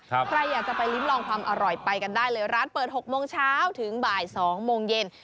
ใครอยากจะไปลิ้มลองความอร่อยไปกันได้เลยร้านเปิด๖โมงเช้าถึงบ่าย๒โมงเย็น